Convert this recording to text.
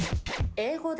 英語で？